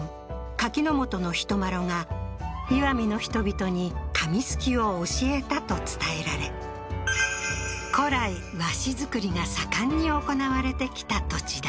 柿本人麻呂が石見の人々に紙漉きを教えたと伝えられ古来和紙作りが盛んに行われてきた土地だ